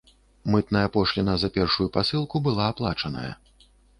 Мытная пошліна за першую пасылку была аплачаная.